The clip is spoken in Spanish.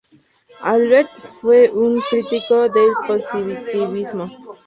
Albert fue un crítico del positivismo.